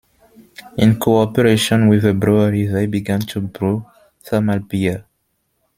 In cooperation with the brewery, they began to brew thermal beer.